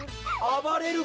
あばれるＰ！